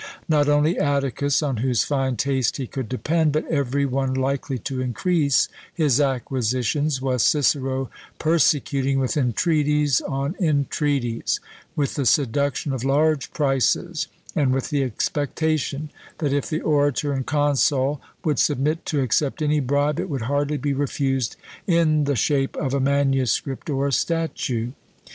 Not only Atticus, on whose fine taste he could depend, but every one likely to increase his acquisitions was Cicero persecuting with entreaties on entreaties, with the seduction of large prices, and with the expectation, that if the orator and consul would submit to accept any bribe, it would hardly be refused in the shape of a manuscript or a statue.